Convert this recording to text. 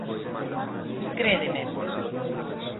Crédeme.